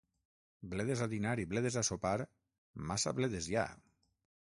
Bledes a dinar i bledes a sopar, massa bledes hi ha.